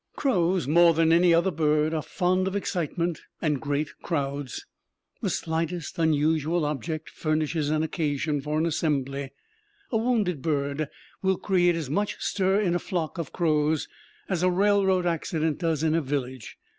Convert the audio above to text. Crows, more than any other birds, are fond of excitement and great crowds; the slightest unusual object furnishes an occasion for an assembly. A wounded bird will create as much stir in a flock of crows as a railroad accident does in a village.